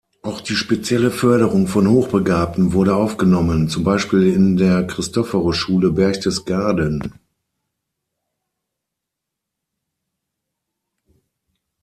Auch die spezielle Förderung von Hochbegabten wurde aufgenommen, zum Beispiel in der Christophorusschule Berchtesgaden.